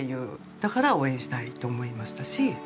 だから応援したいと思いましたし。